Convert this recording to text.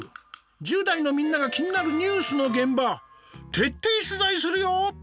１０代のみんなが気になるニュースの現場徹底取材するよ！